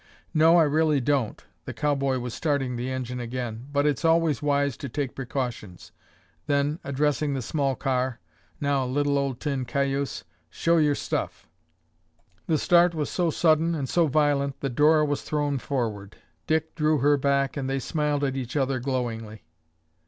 "No, I really don't." The cowboy was starting the engine again. "But it's always wise to take precautions." Then, addressing the small car, "Now, little old 'tin Cayuse,' show your stuff." The start was so sudden and so violent that Dora was thrown forward. Dick drew her back and they smiled at each other glowingly.